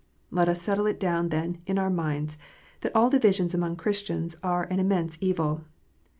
Let us settle it down then in our minds that all divisions among Chris tians are an immense evil.